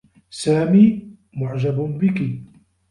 سامي معجب بكِ.